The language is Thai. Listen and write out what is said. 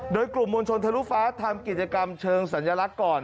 โดยกลุ่มมวลชนทะลุฟ้าทำกิจกรรมเชิงสัญลักษณ์ก่อน